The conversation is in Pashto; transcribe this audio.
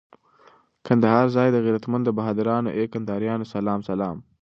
کندهار ځای د غیرتمنو بهادرانو، ای کندهاریانو سلام سلام